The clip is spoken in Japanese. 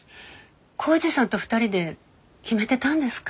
耕治さんと２人で決めてたんですか？